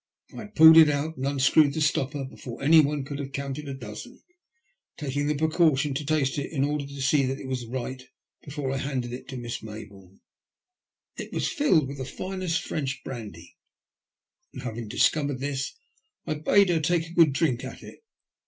I had pulled it out and unscrewed the stopper before anyone could have counted a dozen, taking the precaution to taste it in order to see that it was all right before I handed it to Miss Mayboume. It was filled with the finest French brandy, and, having discovered this, I bade her take a good drink at it.